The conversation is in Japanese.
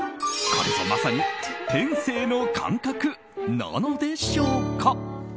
これぞまさに天性の感覚なのでしょうか。